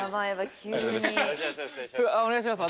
急に。］お願いします。